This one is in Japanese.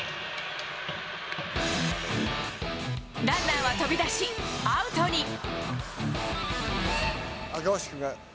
ランナーは飛び出し、アウトに。